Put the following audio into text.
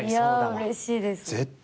いやうれしいです。